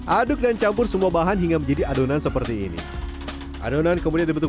aduk dan campur semua bahan hingga menjadi adonan seperti ini adonan kemudian dibentuk